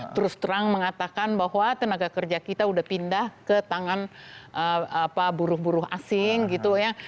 terus terang mengatakan bahwa tenaga kerja kita udah pindah ke tangan buruh buruh asing gitu ya